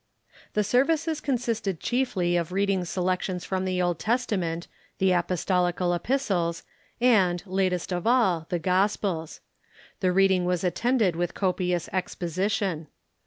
The services consisted chiefly of reading selections from the Old Testament, the apostolical epistles, and, latest of all, the gospels. The reading was attended with copious exposition.